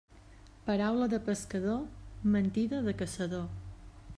Paraula de pescador, mentida de caçador.